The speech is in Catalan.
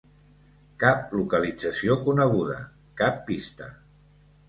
Cap localització coneguda, cap pista.